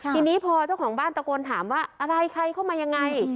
ทีนี้พอเจ้าของบ้านตะโกนถามว่าอะไรใครเข้ามายังไง